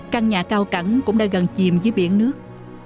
căn nhà cao cẳng cũng đã gần chìm dưới biển nước